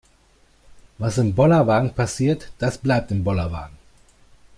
Was im Bollerwagen passiert, das bleibt im Bollerwagen.